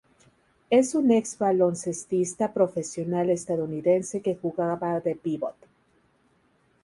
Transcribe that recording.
Es un ex-baloncestista profesional estadounidense que jugaba de "pivot".